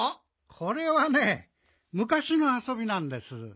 これはねむかしのあそびなんです。